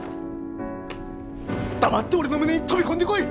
黙って俺の胸に飛び込んでこい！